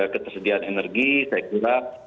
ketersediaan energi saya kira